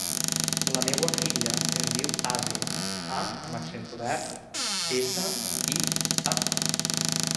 La meva filla es diu Àsia: a amb accent obert, essa, i, a.